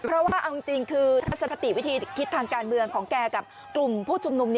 เพราะว่าเอาจริงคือทัศคติวิธีคิดทางการเมืองของแกกับกลุ่มผู้ชุมนุม